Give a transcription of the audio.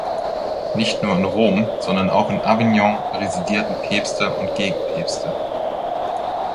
Nicht nur in Rom, sondern auch in Avignon residierten Päpste und Gegenpäpste.